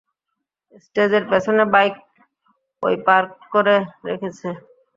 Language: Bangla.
স্টেজের পেছনে বাইক ওই পার্ক করে রেখেছে।